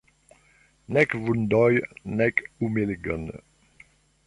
Nek vundojn, nek humiligon.